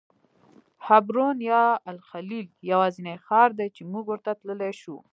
حبرون یا الخلیل یوازینی ښار دی چې موږ ورته تللی شو.